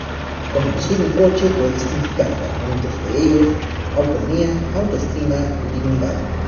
Conducir un coche puede significar, para muchos de ellos, autonomía, autoestima y dignidad.